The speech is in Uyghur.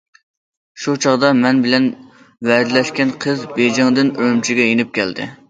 شۇ چاغدا، مەن بىلەن ۋەدىلەشكەن قىز بېيجىڭدىن ئۈرۈمچىگە يېنىپ كەلدى.